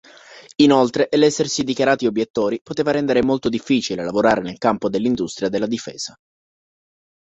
Inoltre, l'essersi dichiarati obiettori poteva rendere molto difficile lavorare nel campo dell'industria della difesa.